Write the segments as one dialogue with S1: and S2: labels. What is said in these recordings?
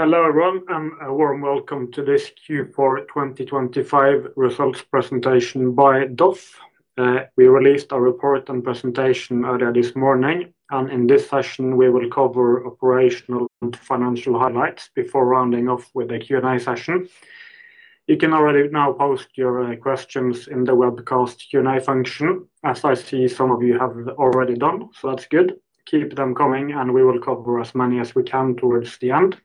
S1: Hello, everyone, and a warm welcome to this Q4 2025 results presentation by DOF. We released our report and presentation earlier this morning, and in this session, we will cover operational and financial highlights before rounding off with a Q&A session. You can already now post your questions in the webcast Q&A function, as I see some of you have already done, so that's good. Keep them coming, and we will cover as many as we can towards the end.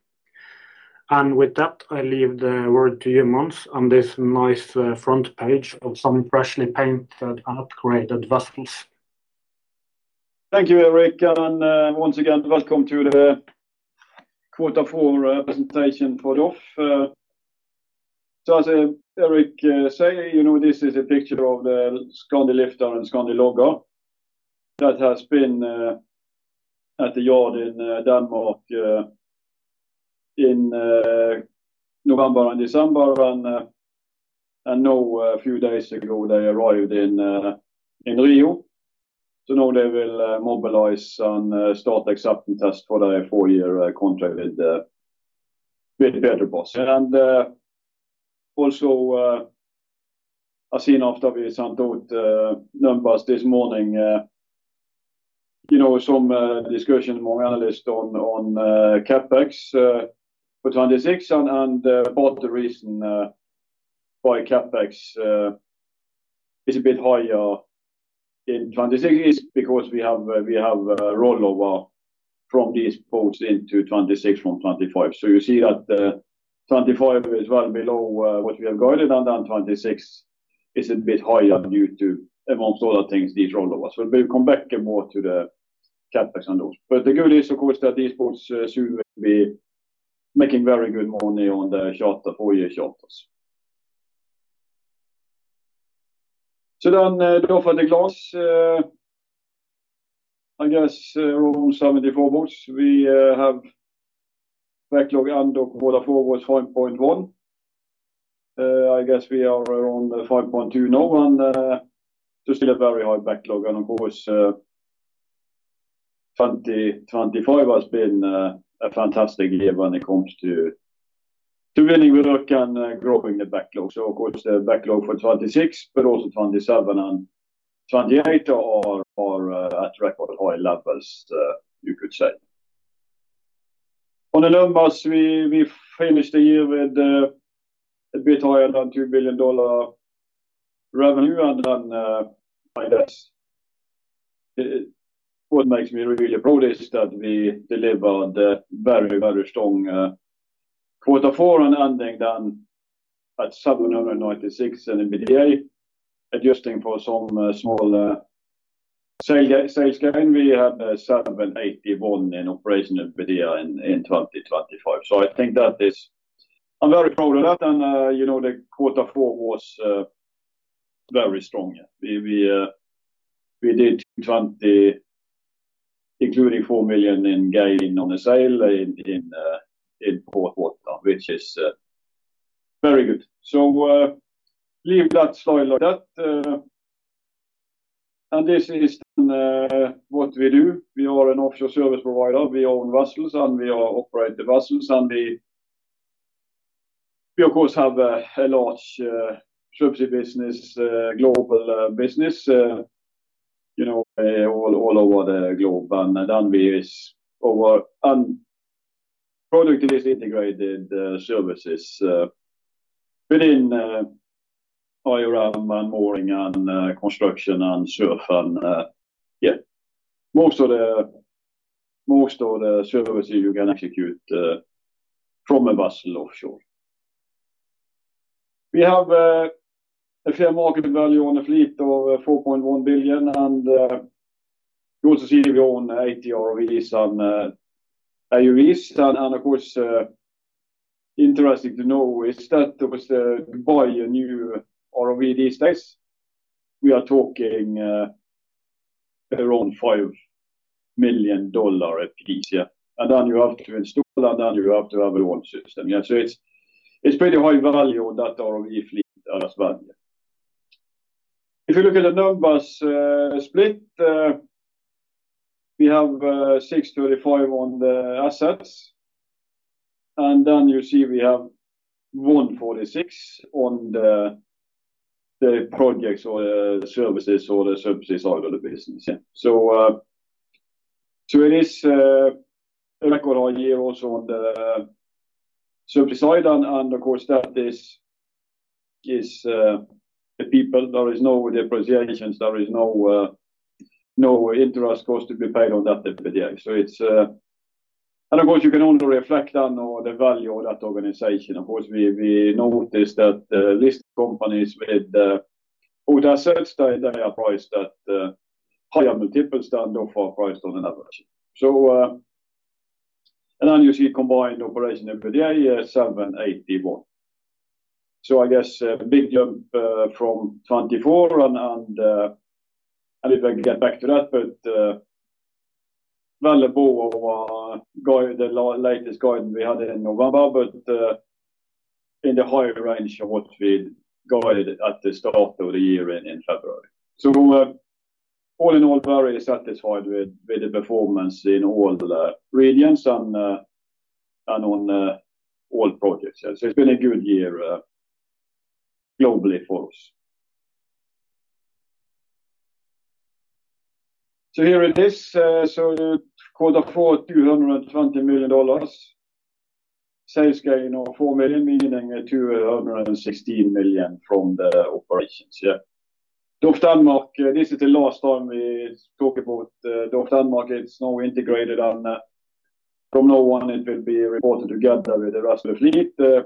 S1: And with that, I leave the word to you, Mons, on this nice front page of some freshly painted and upgraded vessels.
S2: Thank you, Eirik, and once again, welcome to the quarter four presentation for DOF. So as Eirik says, you know, this is a picture of the Skandi Lifter and Skandi Logger that has been at the yard in Denmark in November and December. And now, a few days ago, they arrived in Rio. So now they will mobilize and start acceptance test for their four-year contract with Petrobras. And also, I've seen after we sent out the numbers this morning, you know, some discussion among analysts on CapEx for 2026 and, but the reason why CapEx is a bit higher in 2026 is because we have a, we have a rollover from these ports into 2026 from 2025. You see that 2025 is well below what we have guided, and 2026 is a bit higher due to, amongst other things, these rollovers. We'll come back more to the CapEx on those. The good news, of course, is that these ports soon will be making very good money on the charter, four-year charters. DOF at a glance, I guess, around 74 boats, we have backlog, and quarter four was $5.1 billion. I guess we are around $5.2 billion now, and still a very high backlog. Of course, 2025 has been a fantastic year when it comes to winning work and growing the backlog. The backlog for 2026, but also 2027 and 2028, are at record high levels, you could say. On the numbers, we, we finished the year with, a bit higher than $2 billion revenue, and then, I guess, what makes me really proud is that we delivered a very, very strong, quarter four and ending then at $796 million in EBITDA. Adjusting for some, small, sale, sales gain, we had, $781 million in operational EBITDA in, in 2025. I think that is-- I'm very proud of that. And, you know, the quarter four was, very strong. We, we, we did $20 million, including $4 million in gain on the sale in, in, in quarter four, which is, very good. Leave that slide like that. This is, what we do. We are an offshore service provider. We own vessels, and we operate the vessels, and we of course have a large service business, global business, you know, all over the globe. And we offer integrated services within IRM and mooring and construction and SURF, and yeah, most of the services you can execute from a vessel offshore. We have a fair market value on a fleet of $4.1 billion, and you also see we own 80 ROVs and AUVs. And of course interesting to know is that if you buy a new ROV these days, we are talking around $5 million at least, yeah. And then you have to install, and then you have to have your own system. Yeah, so it's, it's pretty high value on that ROV fleet as well. If you look at the numbers, split, we have $635 on the assets, and then you see we have $146 on the, the projects or, the services or the services side of the business. Yeah, so, so it is, a record high year also on the service side, and, and of course, that is, is, the people. There is no depreciation, there is no, no interest cost to be paid on that EBITDA. So it's... And of course, you can only reflect on the value of that organization. Of course, we, we notice that the listed companies with, with assets, they, they are priced at, higher multiples than DOF are priced on an average. So, and then you see combined operational EBITDA, 781. So I guess a big jump from 24 and, and, I'll get back to that, but, well above our guide, the latest guidance we had in November, but in the higher range of what we'd guided at the start of the year in February. So, all in all, we're very satisfied with the performance in all the regions and on all projects. Yeah. So it's been a good year, globally for us. So here it is. So quarter four, $220 million. Sales gain of $4 million, meaning $216 million from the operations, yeah. DOF Denmark, this is the last time we talk about DOF Denmark. It's now integrated, and from now on, it will be reported together with the rest of the fleet.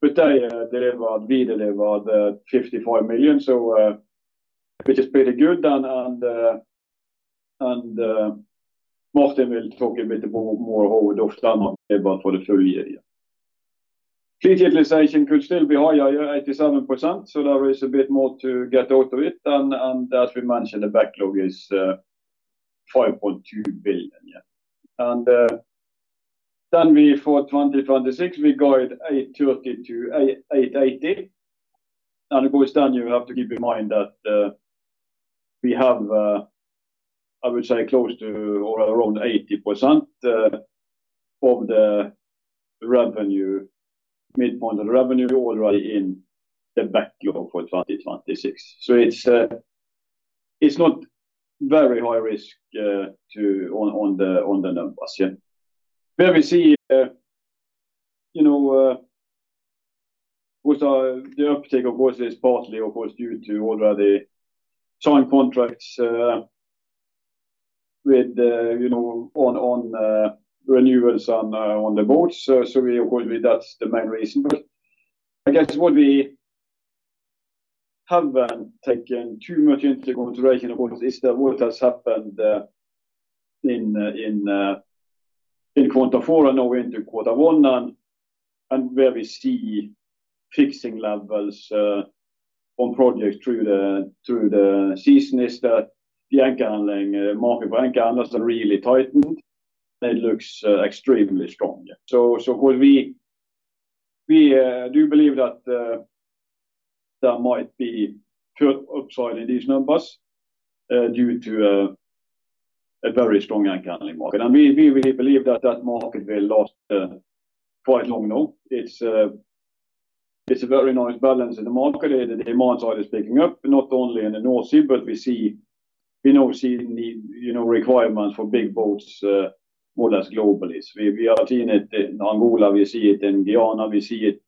S2: But they delivered—we delivered $55 million, so which is pretty good. And Martin will talk a bit more about how DOF Denmark delivered for the full year, yeah. Fleet utilization could still be higher, yeah, 87%, so there is a bit more to get out of it. And as we mentioned, the backlog is $5.2 billion, yeah. And then, for 2026, we guide $830-880 million. And of course, then you have to keep in mind that we have, I would say close to or around 80% of the revenue, mid-point of the revenue already in the backlog for 2026. So it's not very high risk on the numbers, yeah. Where we see, you know, with the uptake, of course, is partly, of course, due to already signed contracts with you know, on renewals on the boards. So we believe that's the main reason. But I guess what we haven't taken too much into consideration, of course, is that what has happened in quarter four and now into quarter one, and where we see fixing levels on projects through the season is that the anchor handling market for anchor handlers has really tightened. It looks extremely strong, yeah. So what we do believe that there might be pure upside in these numbers due to a very strong anchor handling market. And we really believe that that market will last quite long now. It's a very nice balance in the market. The demand side is picking up, not only in the North Sea, but we now see need, you know, requirements for big boats more or less globally. So we are seeing it in Angola, we see it in Guyana, we see it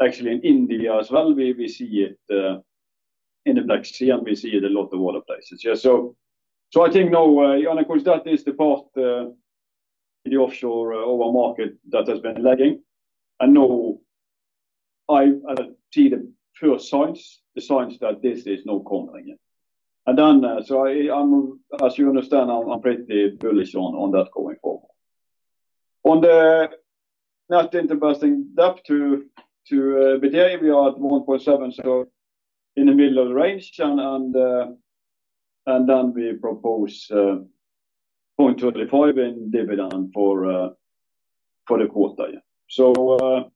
S2: actually in India as well. We see it in the Black Sea, and we see it a lot of other places. Yeah, so I think now, and of course, that is the part in the offshore oil market that has been lagging. I know I see the first signs, the signs that this is now coming again. And then, so, as you understand, I'm pretty bullish on that going forward. On the net interest and debt to EBITDA, we are at 1.7, so in the middle of the range. And then we propose 0.35 in dividend for the quarter, yeah. So,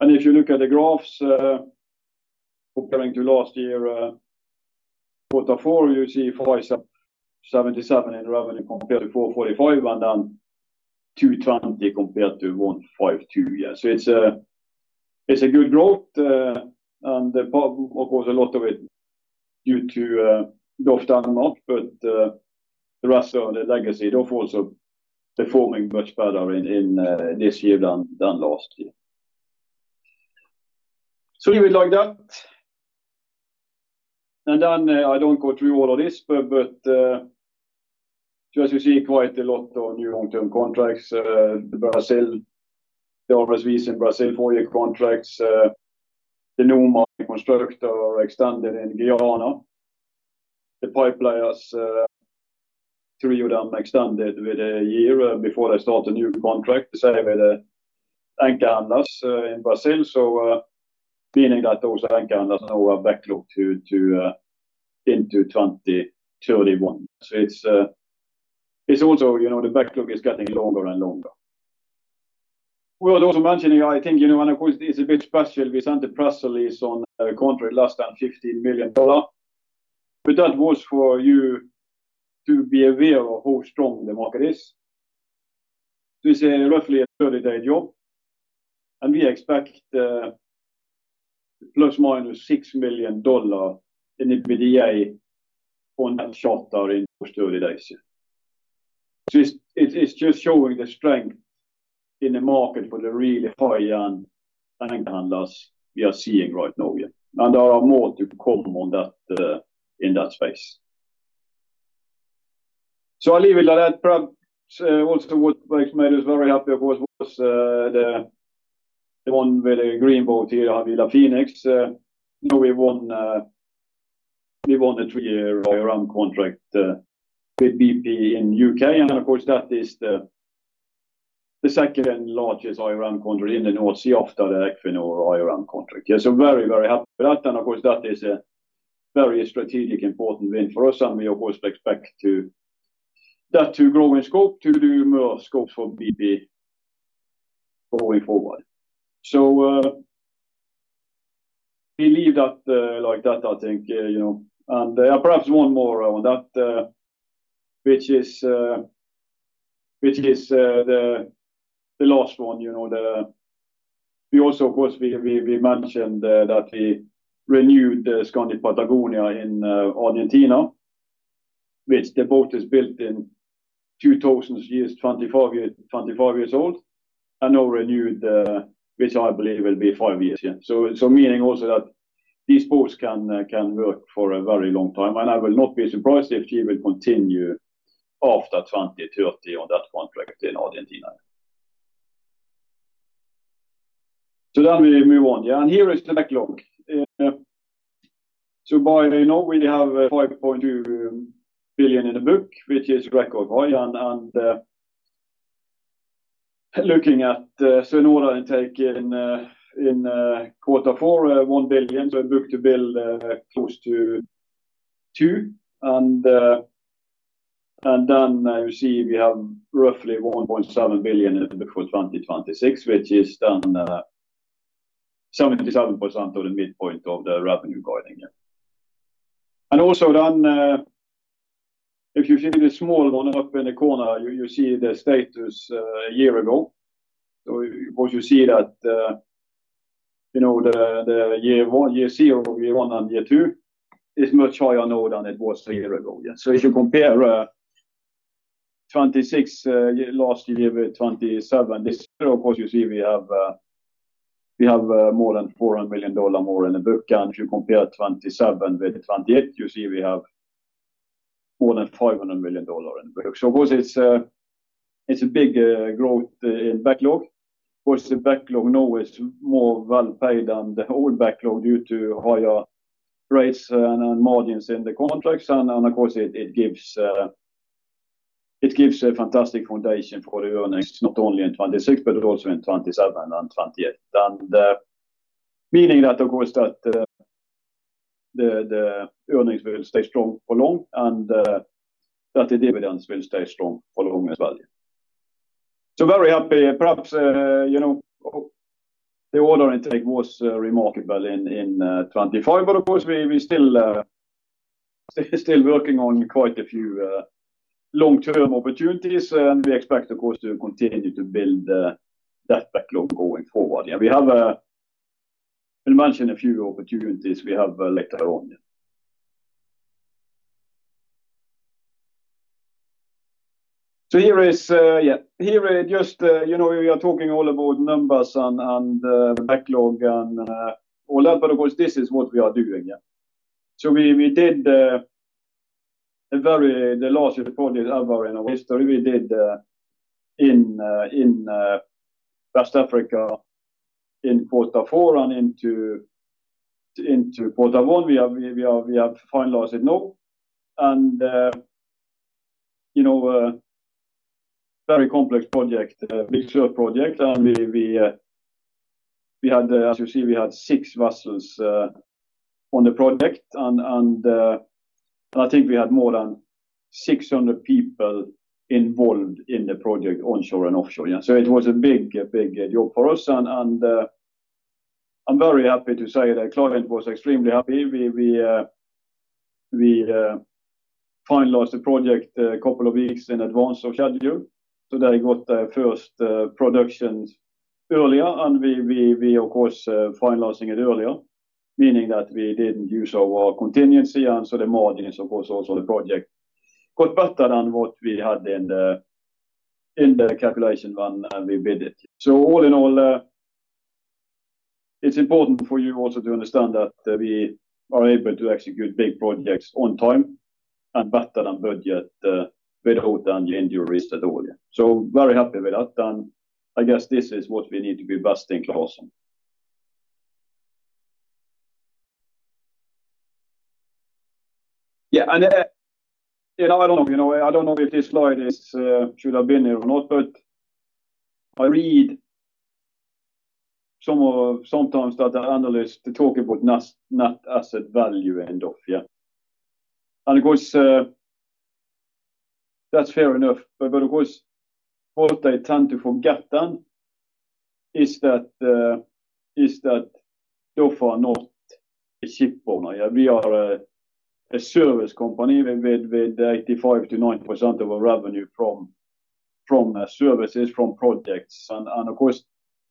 S2: and if you look at the graphs, comparing to last year, quarter four, you see $577 in revenue compared to $445, and then $220 compared to $152. Yeah, so it's a good growth, and of course, a lot of it due to DOF Denmark, but the rest of the legacy is also performing much better this year than last year. Leave it like that. I don't go through all of this, but just you see quite a lot of new long-term contracts. The Brazil, the RSV in Brazil, four-year contracts, the Skandi Constructor are extended in Guyana. The pipeline has three of them extended with a year before they start a new contract, the same with the anchor handlers in Brazil. Meaning that those anchor handlers now have backlog into 2031. It's also, you know, the backlog is getting longer and longer. We are also mentioning, I think, you know, and of course, it's a bit special. We sent a press release on a contract less than $15 million, but that was for you to be aware of how strong the market is. This is roughly a 30-day job, and we expect ±$6 million in EBITDA on that charter in those 30 days. So it's just showing the strength in the market for the really high-end anchor handlers we are seeing right now, yeah. And there are more to come on that in that space. So I'll leave it like that. Perhaps also what makes me very happy, of course, was the one with the green boat here, Havila Phoenix. Now we won, we won a three-year IRM contract with BP in UK, and of course, that is the, the second and largest IRM contract in the North Sea after the Equinor IRM contract. Yeah, so very, very happy with that. And of course, that is a very strategic important win for us, and we of course, expect that to grow in scope, to do more scope for BP going forward. So, we leave that like that, I think, you know, and perhaps one more on that, which is the last one, you know, the—we also, of course, mentioned that we renewed the Skandi Patagonia in Argentina, which the boat is built in 2000, 25 years old, and now renewed, which I believe will be 5 years, yeah. So, meaning also that these boats can work for a very long time, and I will not be surprised if she will continue after 2030 on that contract in Argentina. So then we move on, yeah, and here is the backlog. So by now, we have $5.2 billion in the backlog, which is record high, and looking at so in order to take in in quarter four, $1 billion, so book-to-bill close to two. And then you see we have roughly $1.7 billion before 2026, which is then 77% of the midpoint of the revenue guidance, yeah. And also then, if you see the small one up in the corner, you see the status a year ago. So of course, you see that, you know, the year zero, year one and year two is much higher now than it was a year ago, yeah. So if you compare 2026 last year with 2027, this of course, you see we have more than $400 million more in the book. And if you compare 2027 with 2028, you see we have more than $500 million in the book. So of course, it's a big growth in backlog. Of course, the backlog now is more well paid than the whole backlog due to higher rates and margins in the contracts. And of course, it gives a fantastic foundation for the earnings, not only in 2026, but also in 2027 and 2028. And meaning that, of course, that the earnings will stay strong for long, and that the dividends will stay strong for long as well. So very happy. Perhaps, you know, the order intake was remarkable in 2025, but of course, we still working on quite a few long-term opportunities, and we expect, of course, to continue to build that backlog going forward. Yeah, we have mentioned a few opportunities we have later on, yeah. So here is, yeah, here is just, you know, we are talking all about numbers and backlog and all that, but of course, this is what we are doing, yeah. So we did the very largest project ever in our history. We did in West Africa, in quarter four and into quarter one. We have finalized it now, and you know, very complex project, big project. And we had, as you see, we had six vessels on the project and I think we had more than 600 people involved in the project onshore and offshore. Yeah, so it was a big, big job for us, and I'm very happy to say that client was extremely happy. We finalized the project a couple of weeks in advance of schedule, so they got the first production earlier, and we, of course, finalizing it earlier, meaning that we didn't use our contingency, and so the margins, of course, also the project got better than what we had in the calculation when we bid it. So all in all, it's important for you also to understand that we are able to execute big projects on time and better than budget, without any injuries at all. So very happy with that, and I guess this is what we need to be best in class on. Yeah, and, you know, I don't know, you know, I don't know if this slide is, should have been here or not, but I read sometimes that the analyst, they're talking about NAV - net asset value and off, yeah. And of course, that's fair enough, but, but of course, what they tend to forget then is that, is that DOF is not a shipowner. Yeah, we are a, a service company with, with 85%-90% of our revenue from, from services, from projects. Of course,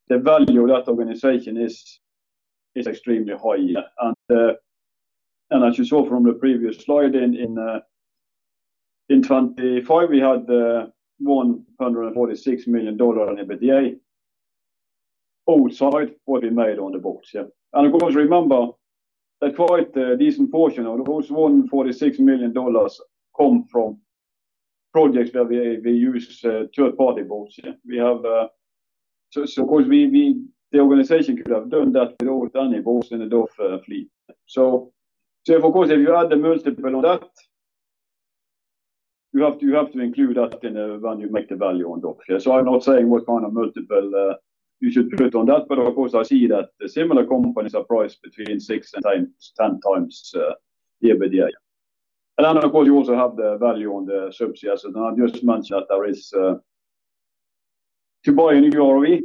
S2: the value of that organization is extremely high, yeah. And as you saw from the previous slide, in 2025, we had $146 million in EBITDA outside what we made on the boats, yeah. And of course, remember that quite a decent portion of those $146 million dollars come from projects where we use third-party boats, yeah. We have... So of course, the organization could have done that with own boats in the DOF fleet. So of course, if you add the multiple on that, you have to include that in when you make the value on DOF. So I'm not saying what kind of multiple you should do it on that. But of course, I see that the similar companies are priced between 6-10x EBITDA. And then, of course, you also have the value on the subsea asset, and I just mentioned that there is to buy a new ROV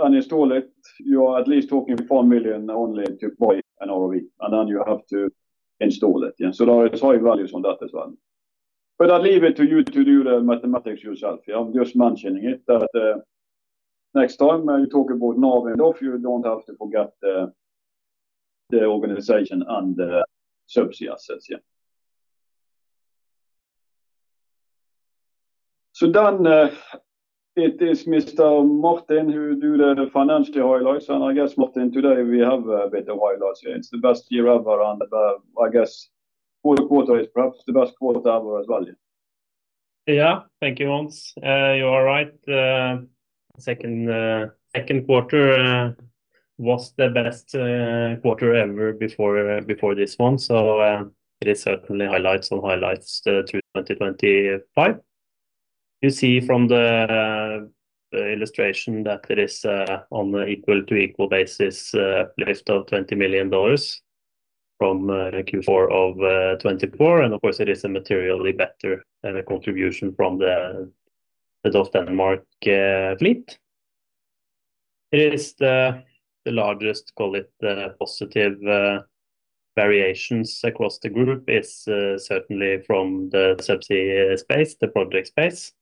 S2: and install it, you are at least talking $4 million only to buy an ROV, and then you have to install it. Yeah, so there are high values on that as well. But I leave it to you to do the mathematics yourself. I'm just mentioning it, that next time you talk about NAV and off, you don't have to forget the organization and the subsea assets. Yeah. So then, it is Mr. Martin, who do the financial highlights, and I guess, Martin, today we have a better highlights. Yeah, it's the best year ever, and I guess for the quarter is perhaps the best quarter ever as well.
S3: Yeah. Thank you, Mons. You are right, second quarter was the best quarter ever before this one. So, it is certainly highlights on highlights, the 2025. You see from the illustration that it is on the equal to equal basis, lift of $20 million from Q4 of 2024. And of course, it is a materially better contribution from the Denmark fleet. It is the largest, call it, positive variations across the group is certainly from the subsea space, the project space,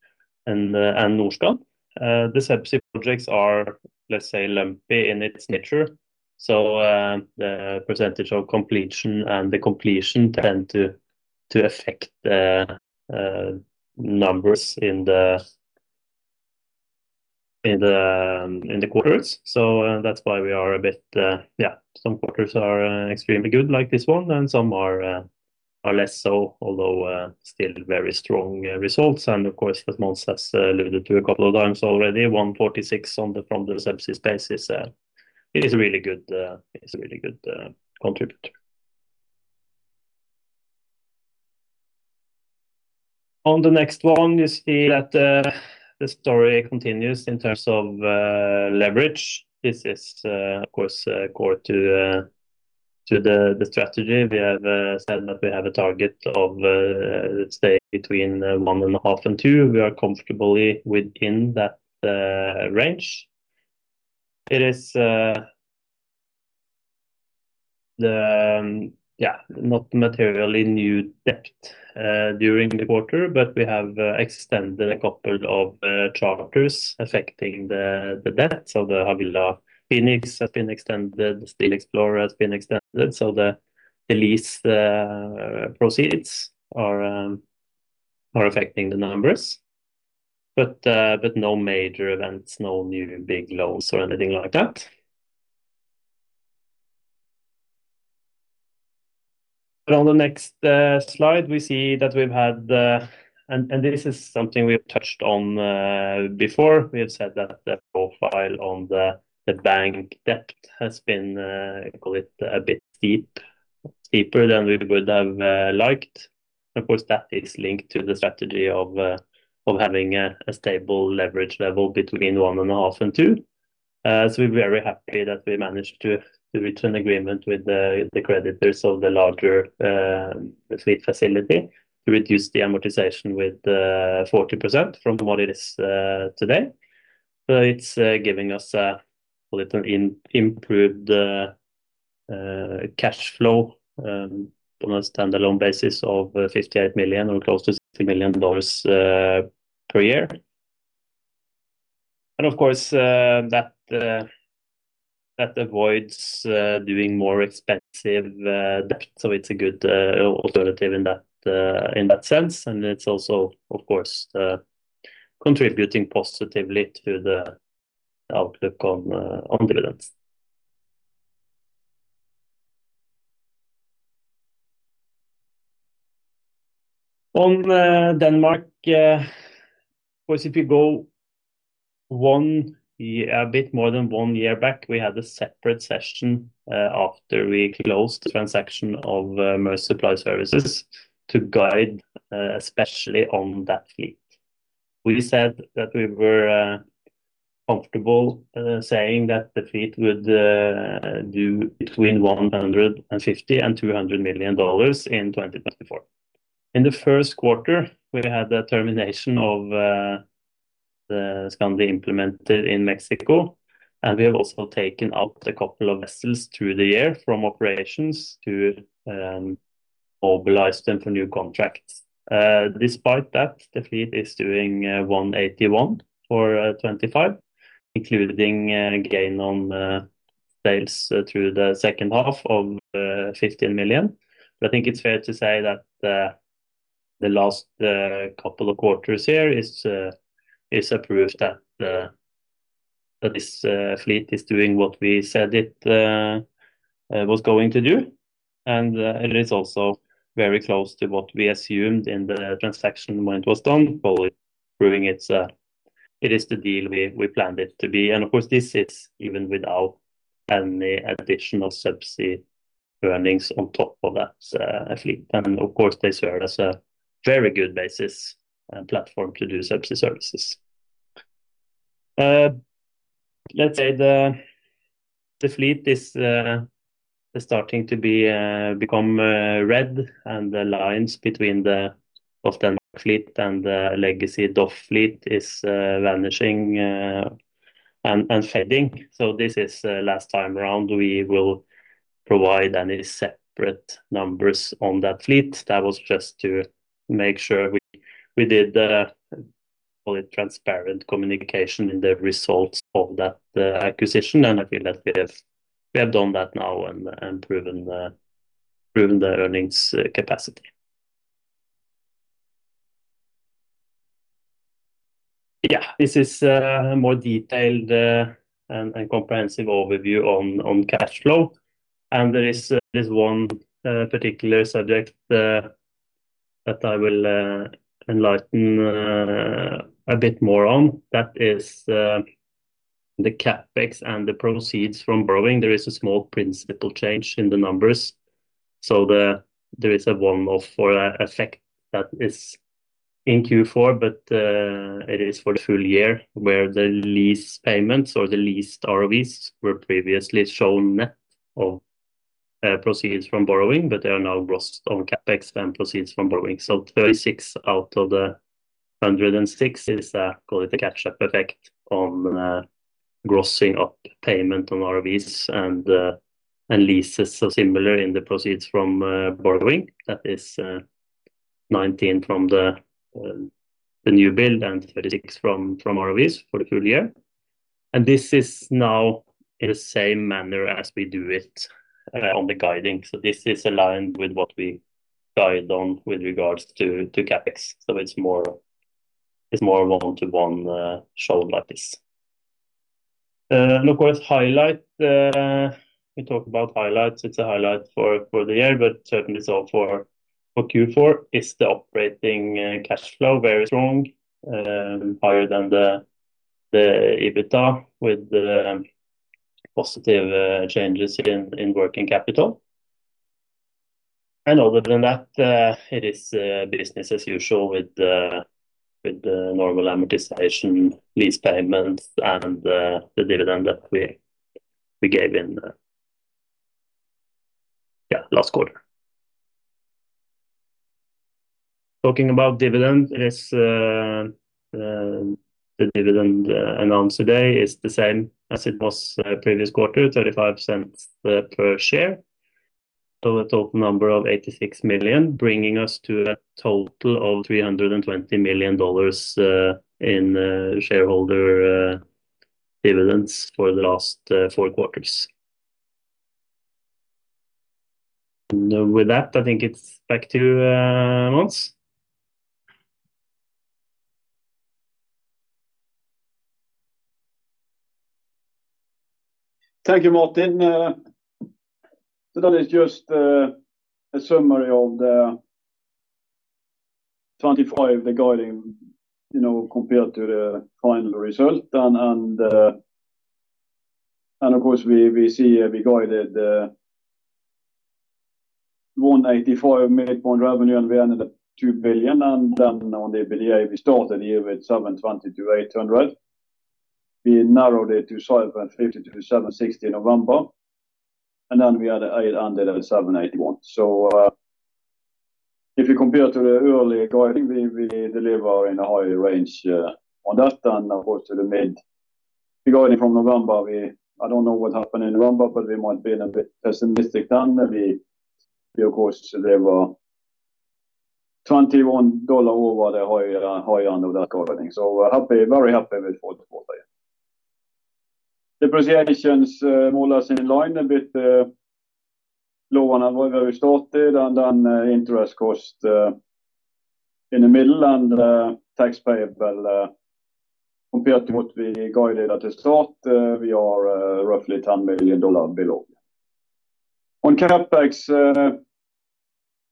S3: and North Sea. The subsea projects are, let's say, lumpy in its nature. So, the percentage of completion and the completion tend to affect the numbers in the quarters. So, that's why we are a bit... Yeah, some quarters are extremely good, like this one, and some are less so, although still very strong results. And of course, as Hans has alluded to a couple of times already, 146 from the subsea space is, it is a really good, it's a really good contributor. On the next one, you see that the story continues in terms of leverage. This is, of course, core to the strategy. We have said that we have a target of stay between 1.5 and two. We are comfortably within that range. It is the... Yeah, not materially new debt during the quarter, but we have extended a couple of charters affecting the debt. So the Havila Phoenix has been extended, Steel Explorer has been extended, so the lease proceeds are affecting the numbers. But no major events, no new big loans or anything like that. But on the next slide, we see that we've had, and this is something we've touched on before. We have said that the profile on the bank debt has been, call it a bit steep, steeper than we would have liked. Of course, that is linked to the strategy of having a stable leverage level between 1.5 and two. So we're very happy that we managed to reach an agreement with the creditors of the larger fleet facility to reduce the amortization with 40% from what it is today. But it's giving us a little improved cash flow on a standalone basis of $58 million or close to $60 million per year. And of course, that avoids doing more expensive debt. So it's a good alternative in that sense. And it's also, of course, contributing positively to the outlook on dividends. On Denmark, if we go one year, a bit more than one year back, we had a separate session after we closed the transaction of Maersk Supply Services to guide especially on that fleet. We said that we were comfortable saying that the fleet would do between $150 million and $200 million in 2024. In the first quarter, we had the termination of the Skandi Implementer in Mexico, and we have also taken out a couple of vessels through the year from operations to mobilize them for new contracts. Despite that, the fleet is doing $181 million for 2025, including gain on sales through the second half of $15 million. But I think it's fair to say that the last couple of quarters here is proof that this fleet is doing what we said it was going to do. It is also very close to what we assumed in the transaction when it was done, probably proving it's, it is the deal we planned it to be. Of course, this is even without any additional subsea earnings on top of that fleet. Of course, they serve as a very good basis and platform to do subsea services. Let's say the fleet is starting to become red, and the lines between the often fleet and the legacy DOF fleet are vanishing and fading. This is the last time around we will provide any separate numbers on that fleet. That was just to make sure we did call it transparent communication in the results of that acquisition. I feel that we have, we have done that now and, and proven the, proven the earnings capacity. Yeah, this is more detailed and comprehensive overview on cash flow. And there is, there's one particular subject that I will enlighten a bit more on. That is the CapEx and the proceeds from borrowing. There is a small principle change in the numbers. So there is a one-off for effect that is in Q4, but it is for the full year, where the lease payments or the leased ROVs were previously shown net of proceeds from borrowing, but they are now gross on CapEx and proceeds from borrowing. So $36 out of the $106 is call it a catch-up effect on grossing up payment on ROVs and leases. Similar in the proceeds from borrowing, that is, 19 from the new build and 36 from ROVs for the full year. This is now in the same manner as we do it on the guiding. This is aligned with what we guide on with regards to CapEx. It's more one-to-one, shown like this. Of course, highlight, we talk about highlights. It's a highlight for the year, but certainly so for Q4 is the operating cash flow, very strong, higher than the EBITDA, with the positive changes in working capital. Other than that, it is business as usual with the normal amortization, lease payments, and the dividend that we gave in, yeah, last quarter. Talking about dividend, it is the dividend announced today is the same as it was previous quarter, $0.35 per share. So a total number of $86 million, bringing us to a total of $320 million dollars in shareholder dividends for the last four quarters. And with that, I think it's back to Mons.
S2: Thank you, Martin. So that is just a summary of the 25, the guiding, you know, compared to the final result. And, and, of course, we see we guided $185 million midpoint revenue and $2 billion, and then on the EBITDA, we started the year with $720-800 million. We narrowed it to $750-760 million in November, and then we had $800 million and $781 million. So, if you compare to the early guiding, we deliver in a higher range on that then of course, to the mid. The guiding from November, we- I don't know what happened in November, but we might be a bit pessimistic then, but we, we of course, deliver $21 million over the higher, higher end of that guiding. So we're happy, very happy with fourth quarter. Depreciations, more or less in line, a bit lower than where we started, and then interest cost in the middle and tax payable, compared to what we guided at the start, we are roughly $10 million below. On CapEx,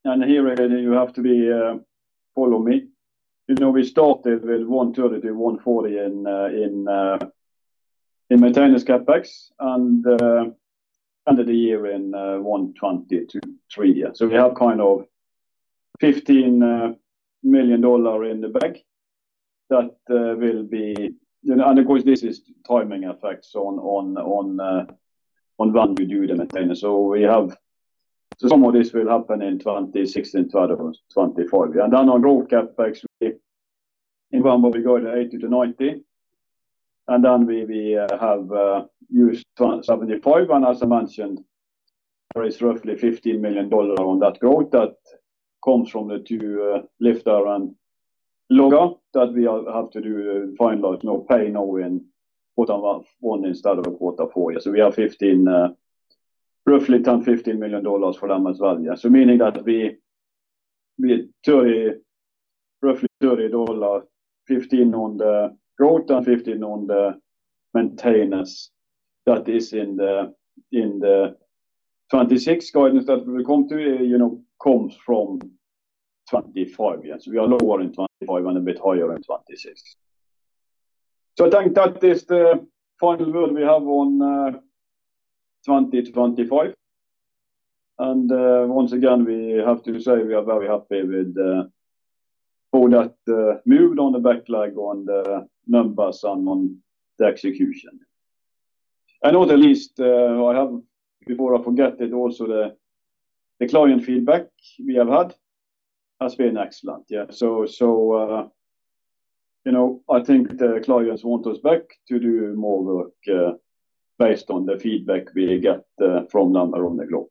S2: and here you have to be follow me. You know, we started with 130 to 140 in maintenance CapEx, and ended the year in 120 to 130. So we have kind of $15 million in the bank that will be... You know, and of course, this is timing effects on when you do the maintenance. So we have so some of this will happen in 2016 out of 2025. On raw CapEx, we, in one, we go to 80-90, and then we have used 75. As I mentioned, there is roughly $15 million on that growth that comes from the two, Lifter and Logo, that we have to finalize, pay now in quarter one instead of quarter four. So we have $15 million, roughly $10-15 million for them as value. Meaning that we, we, $30 million, roughly $30 million, $15 million on the growth and $15 million on the maintenance that is in the 2026 guidance that we come to, you know, comes from 2025. Yes, we are lower in 2025 and a bit higher in 2026. I think that is the final word we have on 2025. Once again, we have to say we are very happy with all that move on the backlog on the numbers and on the execution. Not least, I have before I forget it also the client feedback we have had has been excellent. Yeah, so, you know, I think the clients want us back to do more work based on the feedback we get from them around the globe.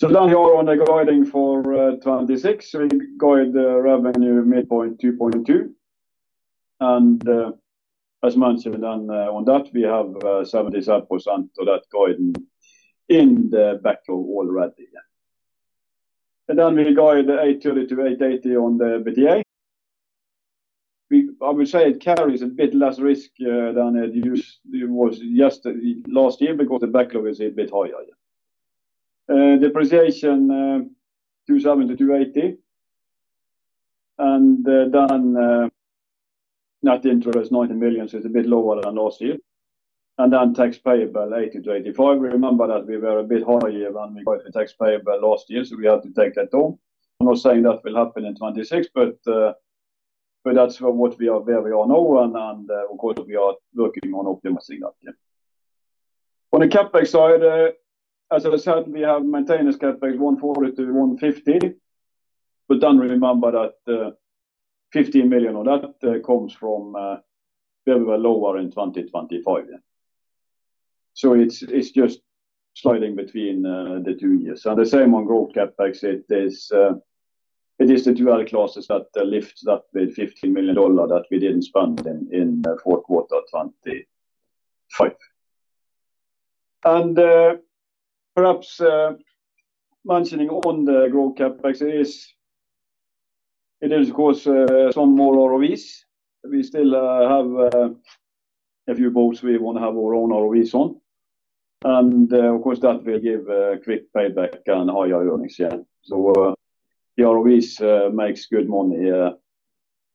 S2: So down here on the guiding for 2026, we guide the revenue midpoint $2.2, and as mentioned then on that, we have 77% of that guidance in the backlog already. And then we guide the $830-880 on the EBITDA. I would say it carries a bit less risk than it was just last year because the backlog is a bit higher. Depreciation $270-280 million, and then net interest $90 million, so it's a bit lower than last year. And then tax payable $80-85 million. We remember that we were a bit high on the tax payable last year, so we have to take that down. I'm not saying that will happen in 2026, but that's what we are, where we are now, and of course, we are working on optimizing that. On the CapEx side, as I said, we have maintained this CapEx $140-150 million, but then remember that $15 million of that comes from where we were lower in 2025. So it's, it's just sliding between the two years. And the same on growth CapEx, it is it is the two classes that lifts that with $15 million that we didn't spend in fourth quarter 2025. And perhaps mentioning on the growth CapEx is, it is, of course, some more ROVs. We still have a few boats we want to have our own ROVs on, and of course, that will give quick payback and higher earnings. So the ROVs makes good money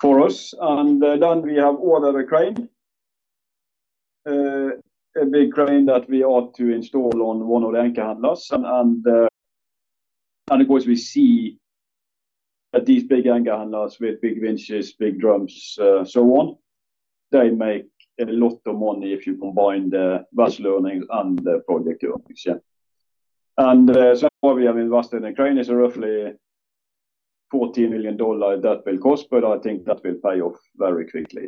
S2: for us. And then we have ordered a crane, a big crane that we ought to install on one of the anchor handlers. Of course, we see that these big anchor handlers with big winches, big drums, so on, they make a lot of money if you combine the vessel earnings and the project earnings, yeah. So we have invested in a crane, is roughly $14 million that will cost, but I think that will pay off very quickly.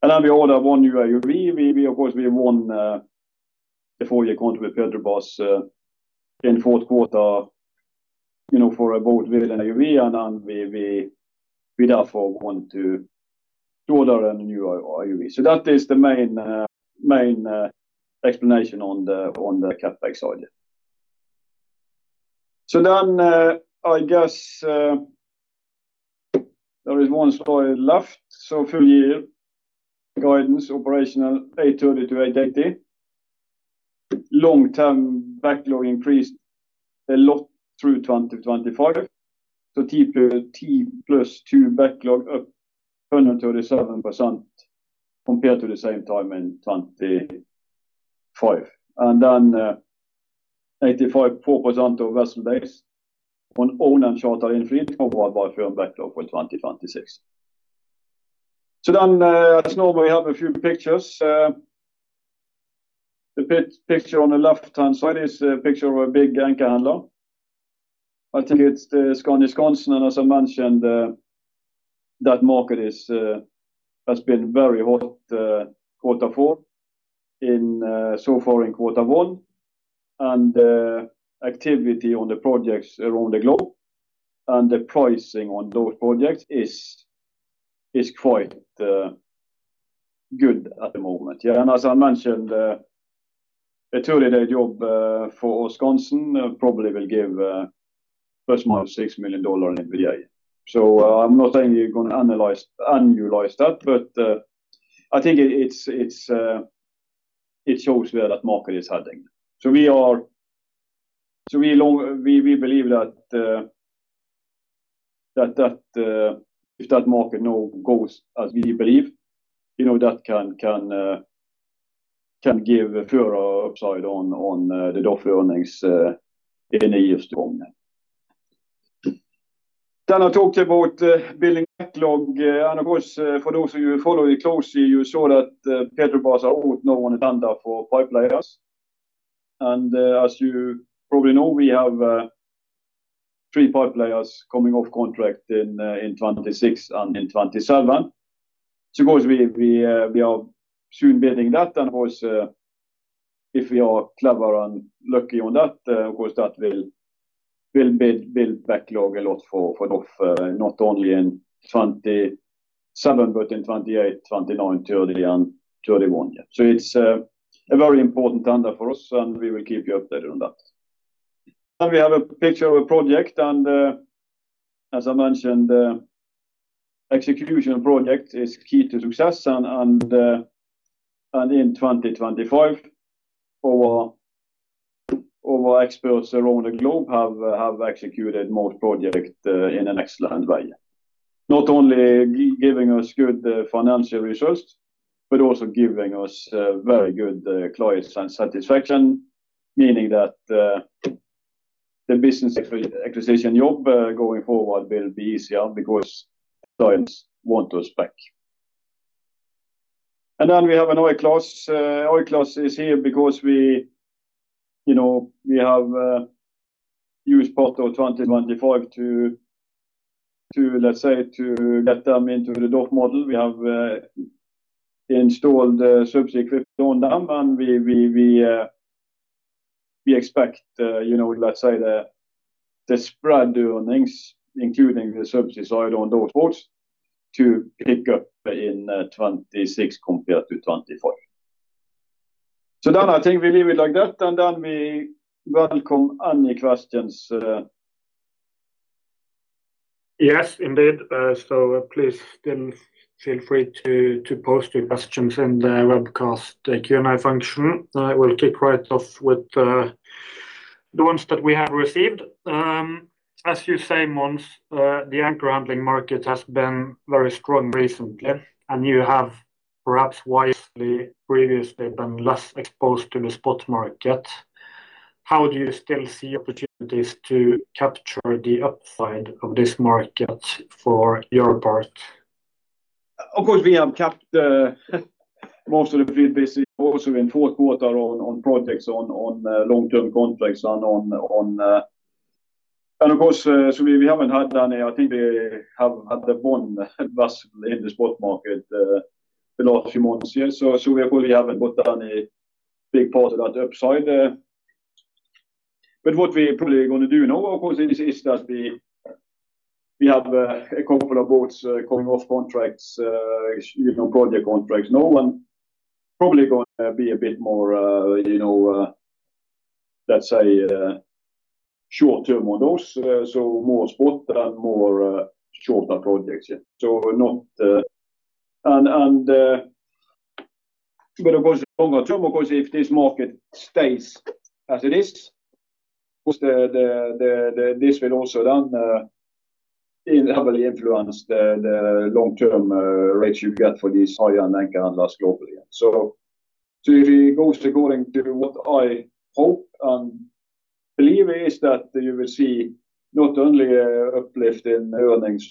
S2: And then we order one new AUV. Of course, we won the four-year contract with Petrobras in fourth quarter, you know, for a boat with an AUV, and then we therefore want to order a new AUV. So that is the main explanation on the CapEx side. So then I guess there is one slide left. So full year guidance, operational $830-880 million. Long-term backlog increased a lot through 2025. T+2 backlog up 137% compared to the same time in 2025. 85.4% of vessel days on owned and chartered fleet covered by firm backlog for 2026. As normal, we have a few pictures. The picture on the left-hand side is a picture of a big anchor handler. I think it's the Skandi Skansen, and as I mentioned, that market has been very hot, quarter four and so far in quarter one, and activity on the projects around the globe and the pricing on those projects is quite good at the moment. Yeah, and as I mentioned, the two-day job for Wisconsin probably will give ±$6 million in EBITDA. So I'm not saying you're going to analyze that, but I think it's, it shows where that market is heading. So we believe that if that market now goes as we believe, you know, that can give further upside on the DOF earnings in a year's time. Then I talked about building backlog, and of course, for those of you who follow it closely, you saw that Petrobras are out now on the tender for pipe layers. And as you probably know, we have three pipe layers coming off contract in 2026 and in 2027. So of course, we are soon bidding that, and of course, if we are clever and lucky on that, of course, that will build backlog a lot for not only in 2027, but in 2028, 2029, 2030, and 2031. So it's a very important tender for us, and we will keep you updated on that. Then we have a picture of a project, and as I mentioned, the execution project is key to success and in 2025, our experts around the globe have executed most project in an excellent way. Not only giving us good financial results, but also giving us very good client satisfaction, meaning that the business acquisition job going forward will be easier because clients want us back. And then we have an A-class. A-class is here because we, you know, we have used part of 2025 to, let's say, to get them into the DOF model. We have installed subsea equipment on them, and we expect, you know, let's say, the spread earnings, including the subsea side on those boats, to pick up in 2026 compared to 2025. So then I think we leave it like that, and then we welcome any questions.
S1: Yes, indeed. So please then feel free to post your questions in the webcast, the Q&A function. I will kick right off with the ones that we have received. As you say, Mons, the anchor handling market has been very strong recently, and you have, perhaps wisely, previously been less exposed to the spot market. How do you still see opportunities to capture the upside of this market for your part?
S2: Of course, we have kept mostly pretty busy also in fourth quarter on projects, long-term contracts and on. And of course, so we haven't had any. I think we have had one vessel in the spot market the last few months. Yes, so we probably haven't got any big part of that upside. But what we probably gonna do now, of course, is that we have a couple of boats coming off contracts, you know, project contracts now, and probably gonna be a bit more, you know, let's say, short term on those, so more spot and more shorter projects. So not. But of course, longer term, of course, if this market stays as it is, of course, this will also then heavily influence the long-term rates you get for these higher anchor handlers globally. So if it goes according to what I hope and believe, you will see not only an uplift in earnings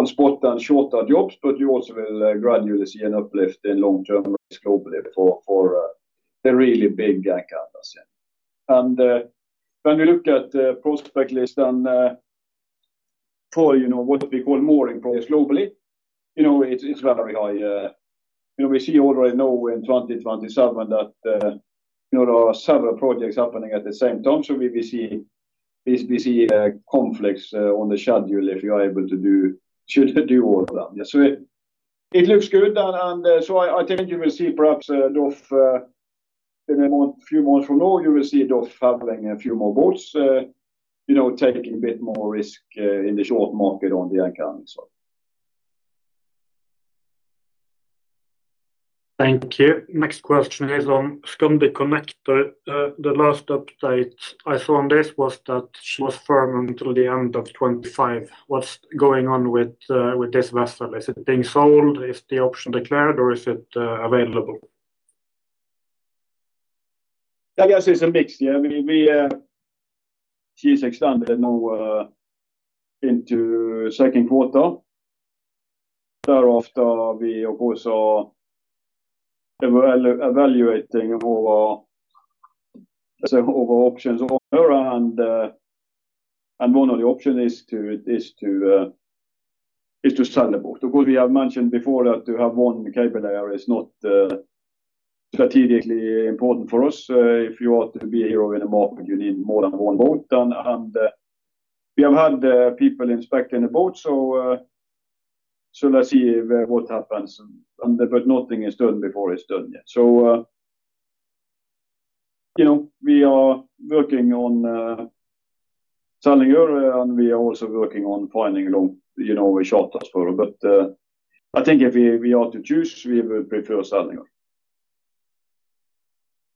S2: on spot and shorter jobs, but you also will gradually see an uplift in long-term rates globally for the really big anchor handlers. And when we look at the prospect list and for what we call mooring projects globally, you know, it's very high, you know, we see already now in 2027 that, you know, there are several projects happening at the same time. So we will see conflicts on the schedule if you are able to do, should do all of that. Yeah, so it looks good. And so I think you will see perhaps a DOF in a month, few months from now, you will see DOF handling a few more boats, you know, taking a bit more risk in the short market on the anchor handling side.
S1: Thank you. Next question is on Skandi Connector. The last update I saw on this was that she was firm until the end of 2025. What's going on with this vessel? Is it being sold? Is the option declared, or is it available?
S2: I guess it's a mix. Yeah, we she's extended now into second quarter. Thereafter, we of course are evaluating our options on her, and one of the option is to sell the boat. Of course, we have mentioned before that to have one cable layer is not strategically important for us. If you want to be a hero in the market, you need more than one boat. And we have had people inspecting the boat, so let's see what happens, but nothing is done before it's done yet. So you know, we are working on selling her, and we are also working on finding a long, you know, a charter for her. But I think if we are to choose, we would prefer selling her.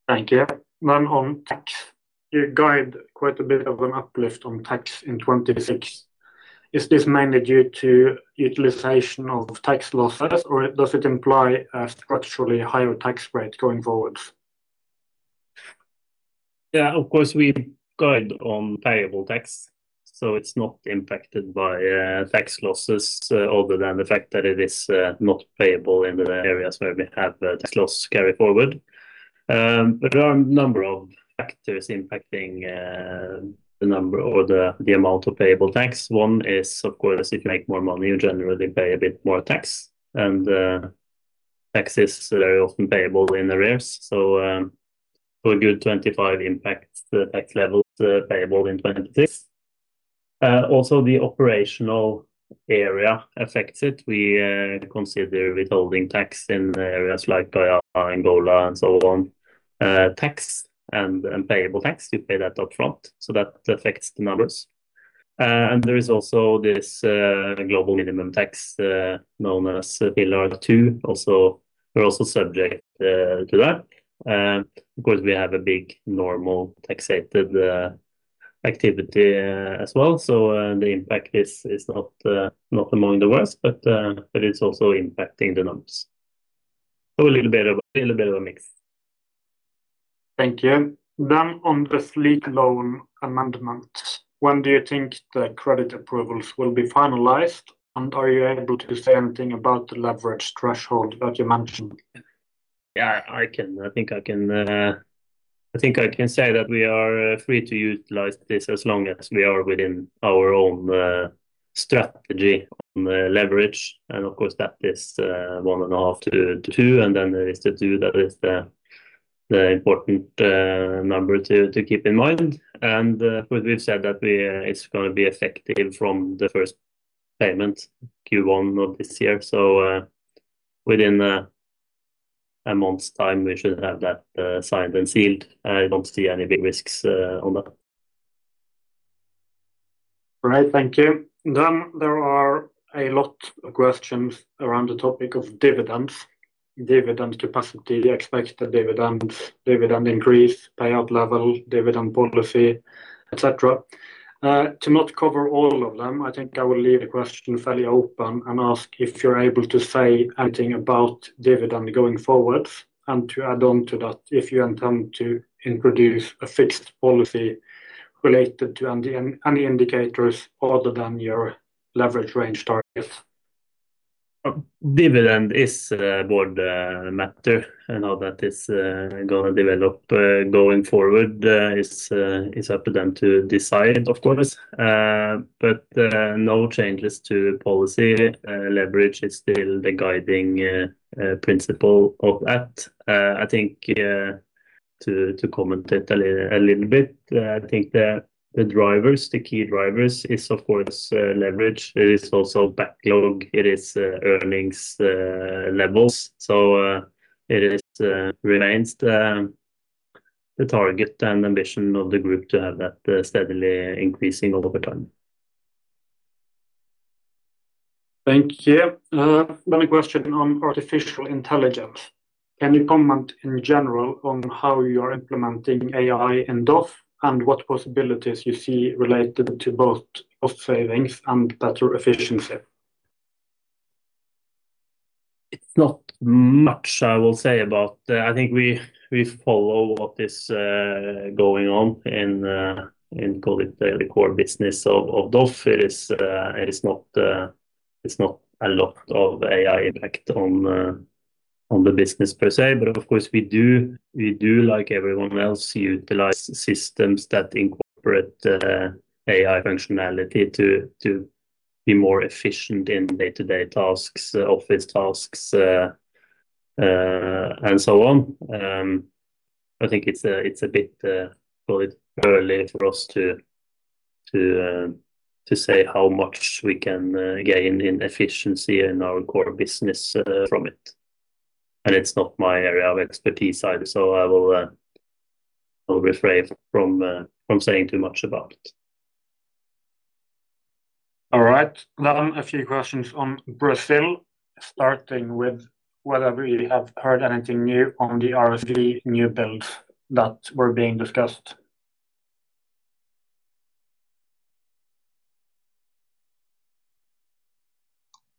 S1: Thank you. Then on tax, you guide quite a bit of an uplift on tax in 2026. Is this mainly due to utilization of tax losses, or does it imply a structurally higher tax rate going forward?
S3: Yeah, of course, we guide on payable tax, so it's not impacted by tax losses other than the fact that it is not payable in the areas where we have a tax loss carry forward. There are a number of factors impacting the number or the amount of payable tax. One is, of course, if you make more money, you generally pay a bit more tax, and tax is very often payable in arrears. So, for a good 2025 impact, the tax level is payable in 2026. Also, the operational area affects it. We consider withholding tax in areas like Angola and so on. Tax and payable tax, you pay that up front, so that affects the numbers. And there is also this global minimum tax known as Pillar Two. Also, we're also subject to that. Of course, we have a big normal taxed activity as well. So, the impact is not among the worst, but it's also impacting the numbers. So a little bit of a mix.
S1: Thank you. On the fleet loan amendment, when do you think the credit approvals will be finalized? Are you able to say anything about the leverage threshold that you mentioned?
S3: Yeah, I can. I think I can say that we are free to utilize this as long as we are within our own strategy on the leverage. And of course, that is 1.5-2, and then there is the two that is the important number to keep in mind. And we've said that it's gonna be effective from the first payment, Q1 of this year. So, within a month's time, we should have that signed and sealed. I don't see any big risks on that.
S1: All right. Thank you. Then there are a lot of questions around the topic of dividends, dividend capacity, expected dividends, dividend increase, payout level, dividend policy, etc. To not cover all of them, I think I will leave the question fairly open and ask if you're able to say anything about dividend going forward. And to add on to that, if you intend to introduce a fixed policy related to any, any indicators other than your leverage range target.
S3: Dividend is a board matter, and how that is gonna develop going forward is up to them to decide, of course. But no changes to policy. Leverage is still the guiding principle of that. I think to comment a little bit, I think the drivers, the key drivers is, of course, leverage. It is also backlog. It is earnings levels. So, it remains the target and ambition of the group to have that steadily increasing over time.
S1: Thank you. Then a question on artificial intelligence. Can you comment in general on how you are implementing AI in DOF and what possibilities you see related to both cost savings and better efficiency?
S3: It's not much I will say, but, I think we, we follow what is, going on in, in call it the core business of, of DOF. It is, it is not, it's not a lot of AI impact on, on the business per se. But of course, we do, we do, like everyone else, utilize systems that incorporate, AI functionality to, to be more efficient in day-to-day tasks, office tasks, and so on. I think it's a, it's a bit, call it early for us to, to, to say how much we can, gain in efficiency in our core business, from it. And it's not my area of expertise either, so I will, I'll refrain from, from saying too much about it.
S1: All right. Then a few questions on Brazil, starting with whether you have heard anything new on the RSV new builds that were being discussed?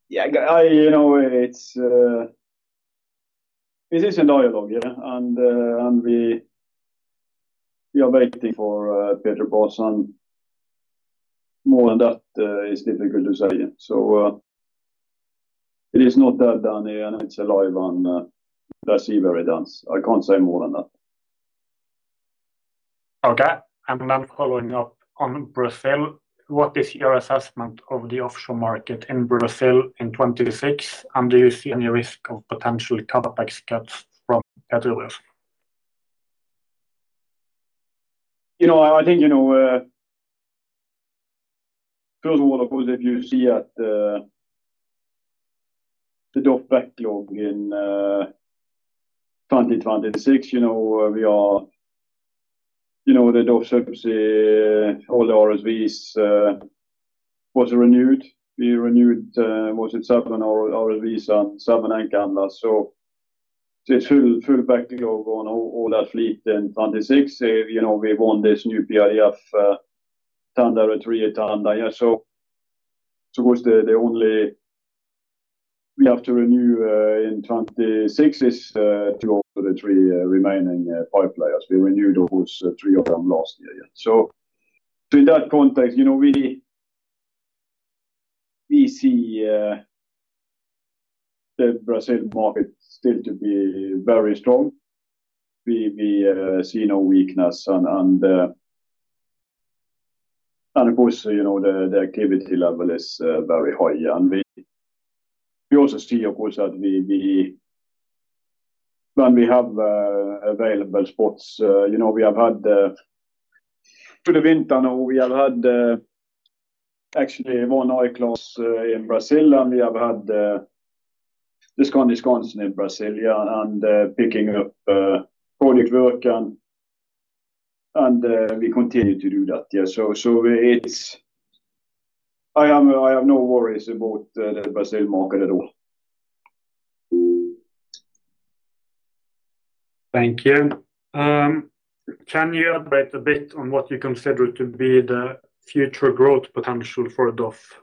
S2: Yeah, you know, it is in dialogue, yeah. And we are waiting for Petrobras, and more than that is difficult to say. So, it is not that done, and it's alive on, let's see where it ends. I can't say more than that.
S1: Okay. And then following up on Brazil, what is your assessment of the offshore market in Brazil in 2026? And do you see any risk of potential CapEx cuts from Petrobras?
S2: You know, I think, you know, first of all, of course, if you see at, the DOF backlog in 2026, you know, we are. You know, the DOF service, all the RSVs, was renewed. We renewed, was it seven RSVs and seven, eight. So it's full, full backlog on all, all that fleet in 2026. You know, we won this new frame, tender three tender. So, so of course, the, the only we have to renew, in 2026 is, two of the three remaining, pipe layers. We renewed those three of them last year. Yeah, so in that context, you know, we, we see, the Brazil market still to be very strong. We, we, see no weakness and, and, and of course, you know, the, the activity level is, very high. We also see, of course, that when we have available spots, you know, we have had through the winter now, we have had actually one I-class in Brazil, and we have had the Skandi Wisconsin in Brazil and picking up product work and we continue to do that. Yeah, so it's – I am, I have no worries about the Brazil market at all.
S1: Thank you. Can you elaborate a bit on what you consider to be the future growth potential for DOF?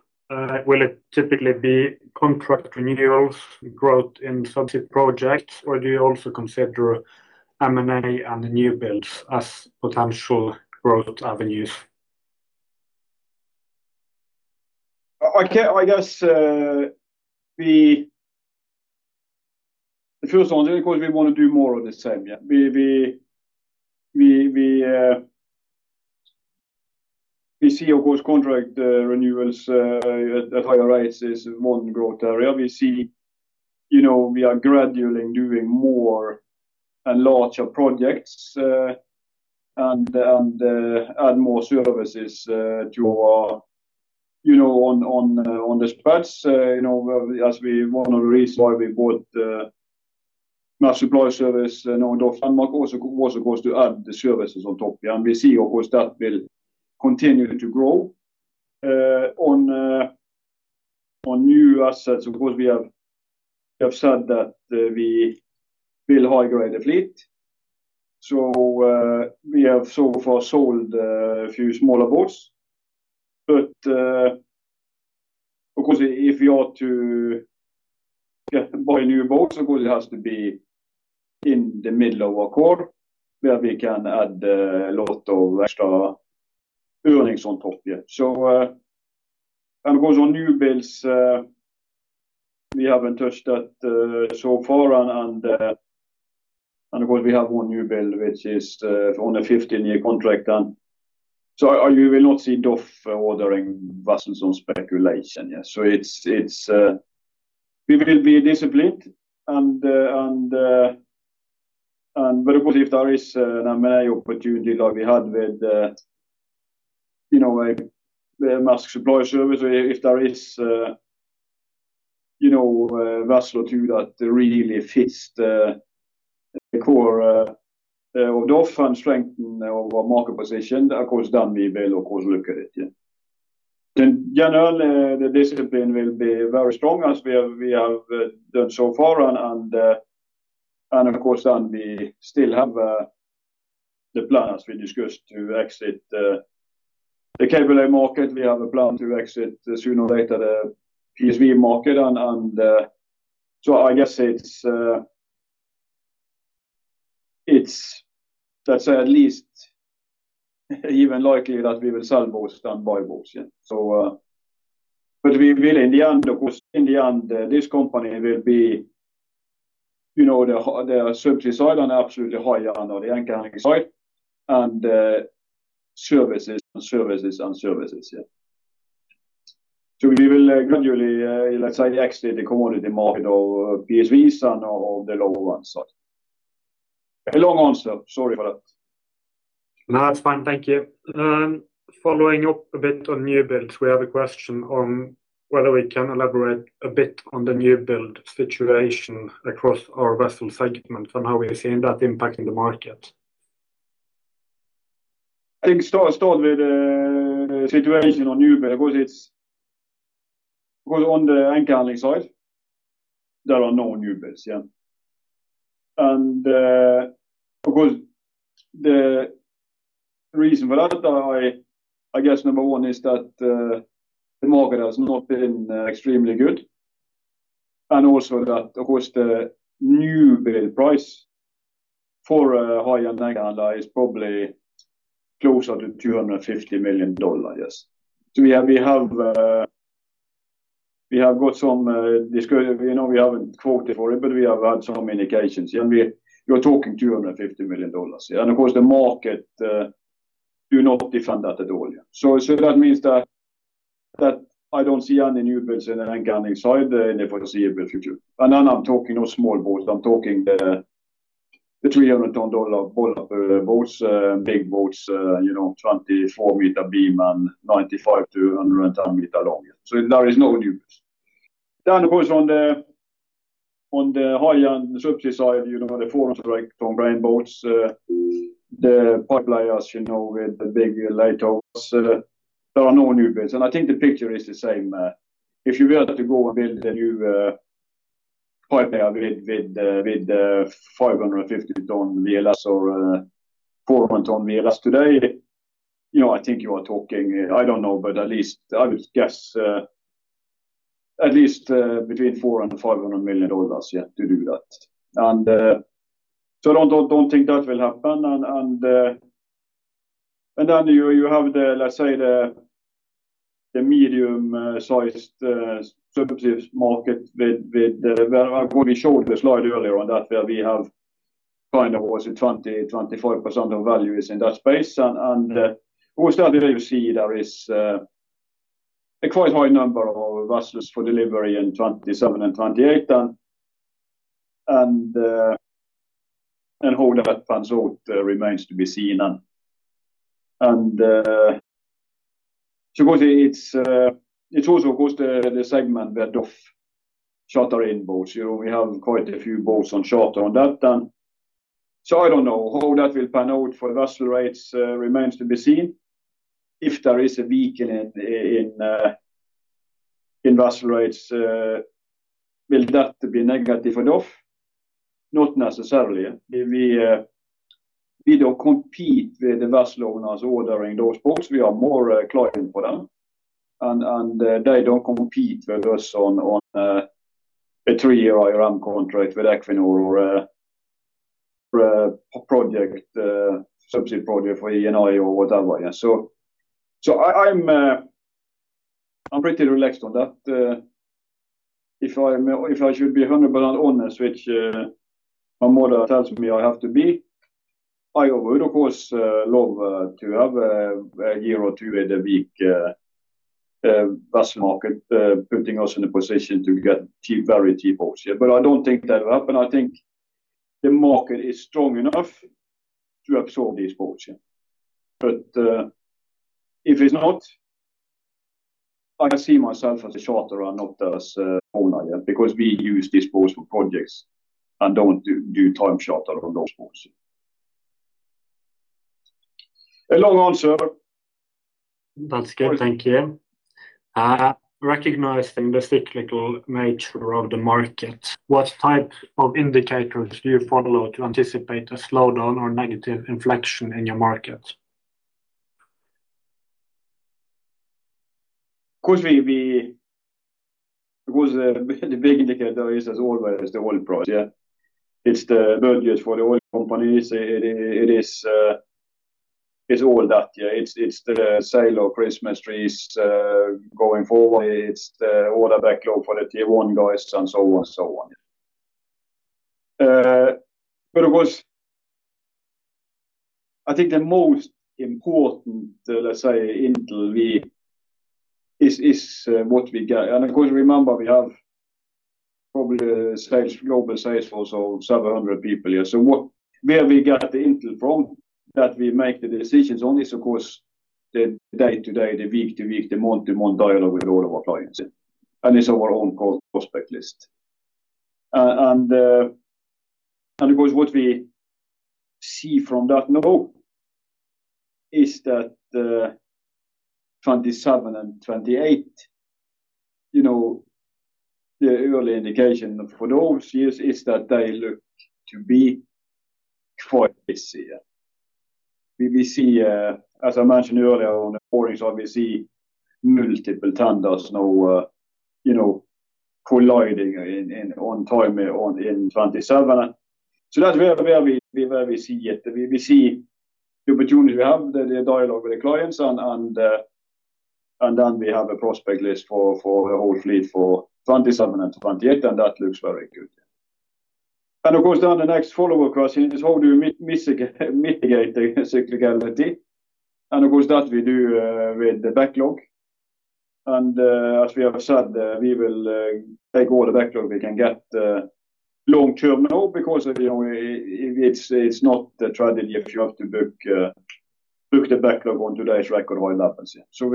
S1: Will it typically be contract renewals, growth in subject projects, or do you also consider M&A and new builds as potential growth avenues?
S2: I guess, the first one, of course, we want to do more of the same, yeah. We see, of course, contract renewals at higher rates is one growth area. We see, you know, we are gradually doing more and larger projects, and add more services to, you know, on the spreads. You know, as we, one of the reasons why we bought Maersk Supply Service, now DOF Denmark, also goes to add the services on top. And we see, of course, that will continue to grow on new assets, of course, we have said that we will high-grade the fleet. So, we have so far sold a few smaller boats, but, of course, if you are to buy a new boat, so it will have to be in the middle of our core, where we can add a lot of extra earnings on top, yeah. So, and of course, on new builds, we haven't touched that so far, and of course, we have one new build, which is only 15-year contract on. So you will not see DOF ordering vessels on speculation, yeah. So it's... We will be disciplined and but of course, if there is an M&A opportunity like we had with, you know, like the Maersk Supply Service, if there is, you know, a vessel or two that really fits the core of DOF and strengthen our market position, of course, then we will, of course, look at it, yeah. Then generally, the discipline will be very strong as we have done so far, and of course, then we still have the plans we discussed to exit the cable market. We have a plan to exit sooner or later the PSV market and, so I guess it's, let's say, at least even likely that we will sell boats than buy boats, yeah. So, but we will in the end, of course, in the end, this company will be, you know, the, the subsea side on absolutely high end on the anchor handling side, and, services and services and services, yeah. So we will gradually, let's say, exit the commodity market of PSVs and of the lower one side. A long answer. Sorry for that.
S1: No, that's fine. Thank you. Following up a bit on new builds, we have a question on whether we can elaborate a bit on the new build situation across our vessel segment and how we are seeing that impacting the market.
S2: I think start with the situation on new build, of course. It's, of course, on the anchor handling side, there are no new builds, yeah. And, of course, the reason for that, I guess number one is that the market has not been extremely good, and also that, of course, the new build price for a high-end anchor handler is probably closer to $250 million, yes. So we have got some discussions, you know, we haven't quoted for it, but we have had some indications, yeah, and we're talking $250 million. And of course, the market do not defend that at all, yeah. So that means that I don't see any new builds in the anchor handling side in the foreseeable future. I'm not talking of small boats, I'm talking the 300-ton bollard boats, big boats, you know, 24-meter beam and 95 to 100-meter long. So there is no new builds. Then, of course, on the high end subsea side, you know, the 400-ton crane boats, the pipe layers, you know, with the big lay tops, there are no new builds, and I think the picture is the same. If you were to go and build a new pipe layer with 550-ton VLS or 400-ton VLS today, you know, I think you are talking, I don't know, but at least I would guess, at least between $400 million and $500 million, yeah, to do that. So I don't think that will happen. And then you have the, let's say, the medium-sized subsea market with, well, we showed you a slide earlier on that, where we have kind of, what, 24% of value is in that space. And, of course, that you see there is a quite high number of vessels for delivery in 2027 and 2028, and how that pans out remains to be seen. So because it's also, of course, the segment where DOF charters in boats. You know, we have quite a few boats on charter on that, and so I don't know how that will pan out for vessel rates, remains to be seen. If there is a break in vessel rates, will that be negative or for DOF? Not necessarily. We don't compete with the vessel owners ordering those boats. We are more a client for them, and they don't compete with us on a three-year IRM contract with Equinor or for a project subsea project for Eni or whatever. Yeah, so I'm pretty relaxed on that. If I should be 100% honest, which my model tells me I have to be, I would, of course, love to have a year or two in a weak vessel market putting us in a position to get cheap, very cheap boats. Yeah, but I don't think that will happen. I think the market is strong enough to absorb these boats, yeah. But if it's not, I can see myself as a charterer, not as a owner, yeah, because we use this boats for projects and don't do time charter on those boats. A long answer.
S1: That's good. Thank you. Recognizing the cyclical nature of the market, what type of indicators do you follow to anticipate a slowdown or negative inflection in your market?
S2: Of course, because the big indicator is, as always, the oil price, yeah. It's the budgets for the oil companies. It is all that, yeah. It's the sale of Christmas trees going forward. It's the order backlog for the tier one guys, and so on and so on. But of course, I think the most important, let's say, intel is what we get. And of course, remember, we have probably a global sales force of 700 people, yeah. So where we get the intel from, that we make the decisions on this, of course, the day to day, the week to week, the month to month dialogue with all of our clients, and it's our own prospect list. Of course, what we see from that now is that 2027 and 2028, you know, the early indication for those years is that they look to be quite busy, yeah. We see, as I mentioned earlier on the call, so we see multiple tenders now, you know, colliding in time in 2027. So that's where we see it. We see the opportunities we have, the dialogue with the clients and then we have a prospect list for the whole fleet for 2027 and 2028, and that looks very good. And of course, then the next follow-up question is how do you mitigate the cyclicality? And of course, that we do with the backlog. As we have said, we will take all the backlog we can get long term now because, you know, it's not a tragedy if you have to book the backlog on today's record oil levels. So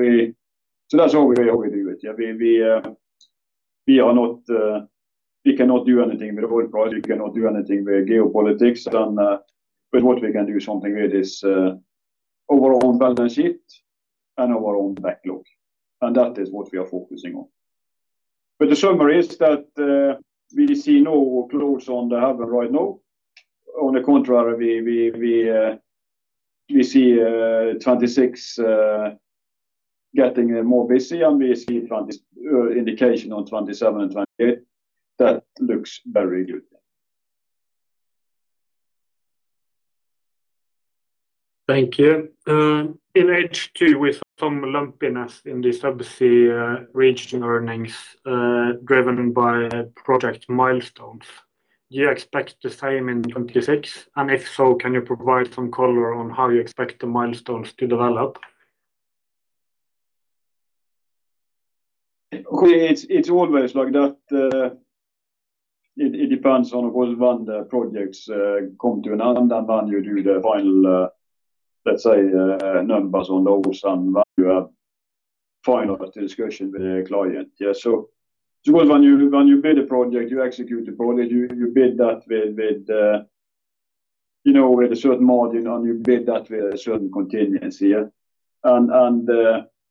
S2: that's how we do it. Yeah, we are not, we cannot do anything with oil price. We cannot do anything with geopolitics and, but what we can do something with is our own balance sheet and our own backlog, and that is what we are focusing on. But the summary is that, we see no clouds on the horizon right now. On the contrary, we see 2026 getting more busy, and we see indication on 2027 and 2028. That looks very good.
S1: Thank you. In H2, we saw some lumpiness in the Subsea region earnings, driven by project milestones. Do you expect the same in 2026? And if so, can you provide some color on how you expect the milestones to develop?
S2: It's always like that. It depends on, of course, when the projects come to an end and when you do the final, let's say, numbers on those and when you have final discussion with your client. Yeah, so because when you build a project, you execute the project, you build that with you know, with a certain margin, and you build that with a certain contingency, yeah? And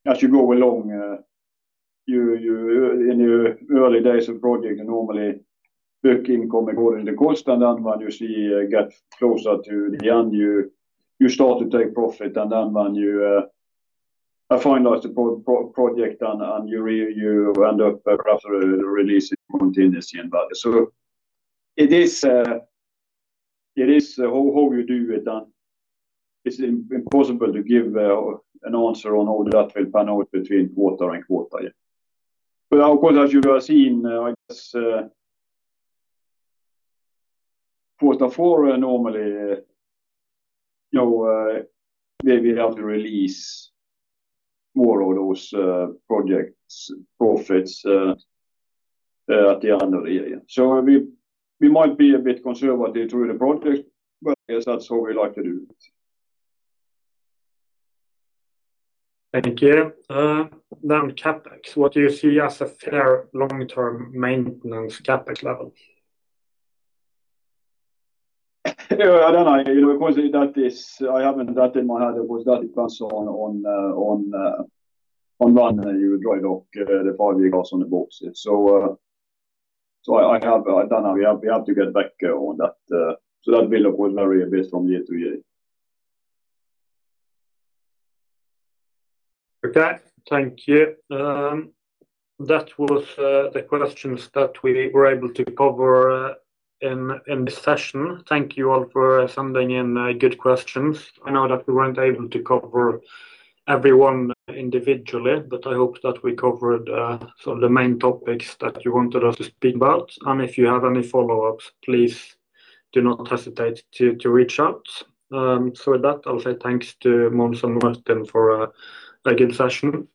S2: as you go along, you in your early days of project, you normally book income according to cost, and then when you see get closer to the end, you start to take profit. And then when you finalize the pro-project and you end up perhaps releasing continuously in value. So it is how we do it, and it's impossible to give an answer on how that will pan out between quarter and quarter, yeah. But of course, as you have seen, I guess, quarter four normally, you know, where we have to release more of those projects profits at the end of the year. So we might be a bit conservative through the project, but I guess that's how we like to do it.
S1: Thank you. CapEx, what do you see as a fair long-term maintenance CapEx level?
S2: I don't know. You know, because that is, I haven't that in my head, because that depends on when you write off the five years on the books. So, I have... I don't know. We have to get back on that, so that will vary a bit from year to year.
S1: Okay. Thank you. That was the questions that we were able to cover in this session. Thank you all for sending in good questions. I know that we weren't able to cover everyone individually, but I hope that we covered sort of the main topics that you wanted us to speak about. And if you have any follow-ups, please do not hesitate to reach out. So with that, I'll say thanks to Mons and Martin for a good session.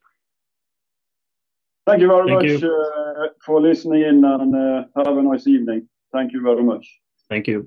S2: Thank you very much.
S1: Thank you.
S2: For listening in, and have a nice evening. Thank you very much.
S3: Thank you.